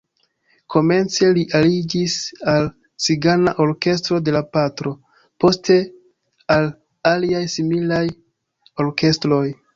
Komence li aliĝis al cigana orkestro de la patro, poste al aliaj similaj orkestroj.